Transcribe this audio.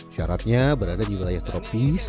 syaratnya berada di wilayah tropis